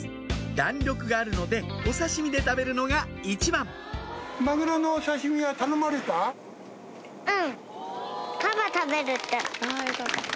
弾力があるのでお刺し身で食べるのが一番うん。